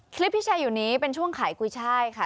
คลิปที่แชร์อยู่นี้เป็นช่วงขายกุ้ยช่ายค่ะ